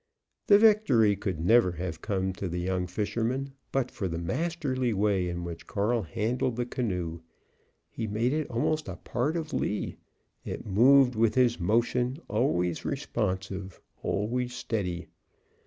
The victory could never have come to the young fisherman but for the masterly way in which Carl handled the canoe. He made it almost a part of Lee. It moved with his motion, always responsive, always steady.